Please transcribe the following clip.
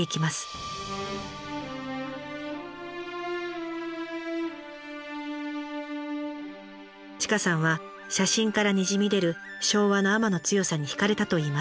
千賀さんは写真からにじみ出る昭和の海女の強さに惹かれたといいます。